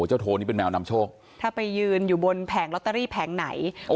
โทนี่เป็นแมวนำโชคถ้าไปยืนอยู่บนแผงลอตเตอรี่แผงไหน